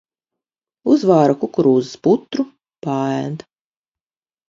Uzvāra kukarūzas putru, paēd.